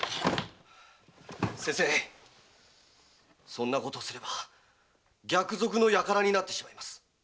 先生そんなことをすれば逆賊の輩になってしまいます。